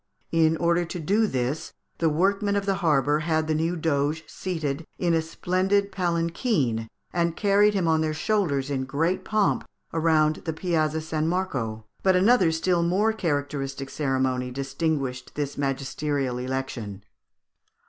In order to do this, the workmen of the harbour had the new Doge seated in a splendid palanquin, and carried him on their shoulders in great pomp round the Piazza San Marco. But another still more characteristic ceremony distinguished this magisterial election.